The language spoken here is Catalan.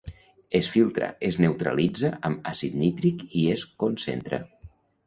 Es filtra, es neutralitza amb àcid nítric i es concentra.